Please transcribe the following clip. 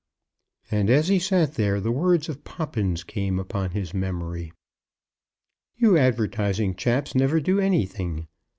And as he sat there the words of Poppins came upon his memory. "You advertising chaps never do anything.